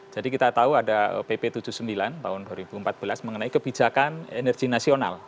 jadi kita tahu ada pp tujuh puluh sembilan tahun dua ribu empat belas mengenai kebijakan energi nasional